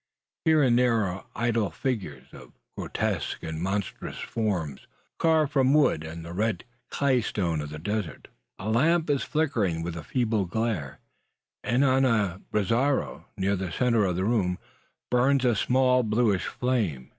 Here and there are idol figures, of grotesque and monster forms, carved from wood and the red claystone of the desert. A lamp is flickering with a feeble glare; and on a brazero, near the centre of the room, burns a small bluish flame.